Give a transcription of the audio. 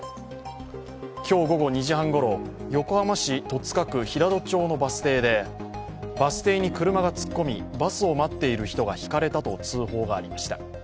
今日午後２時半ごろ、横浜市戸塚区平戸町のバス停でバス停に車が突っ込み、バスを待っている人がひかれたと通報がありました。